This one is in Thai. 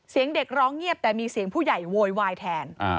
เสียงเด็กร้องเงียบแต่มีเสียงผู้ใหญ่โวยวายแทน